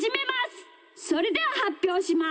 それでははっぴょうします。